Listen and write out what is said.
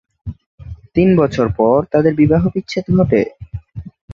তিন বছর পর তাদের বিবাহবিচ্ছেদ ঘটে।